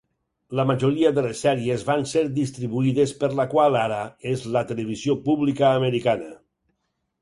La majoria de les sèries van ser distribuïdes per la qual ara és la Televisió pública americana.